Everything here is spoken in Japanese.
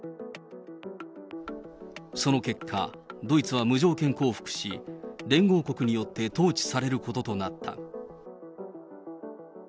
その結果、ドイツは無条件降伏し、連合国によって統治されることとなった。